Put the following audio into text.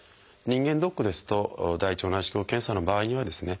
人間ドックですと大腸内視鏡検査の場合にはですね